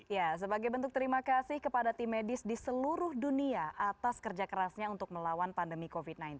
ya sebagai bentuk terima kasih kepada tim medis di seluruh dunia atas kerja kerasnya untuk melawan pandemi covid sembilan belas